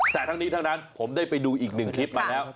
แต่ทั้งนี้ทั้งนั้นผมได้ไปดูอีกหนึ่งคลิปมาแล้ว